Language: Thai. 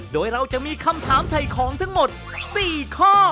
โดยเราจะมีคำถามถ่ายของทั้งหมด๔ข้อ